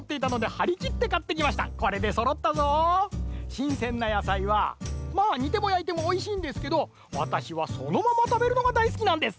しんせんなやさいはまあにてもやいてもおいしいんですけどわたしはそのままたべるのがだいすきなんです。